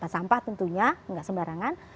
sampah tentunya nggak sembarangan